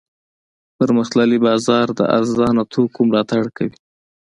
پرمختللی بازار د ارزانه توکو ملاتړ کوي.